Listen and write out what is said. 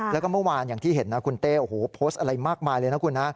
แล้วก็เมื่อวานอย่างที่เห็นนะคุณเต้โอ้โหโพสต์อะไรมากมายเลยนะคุณนะ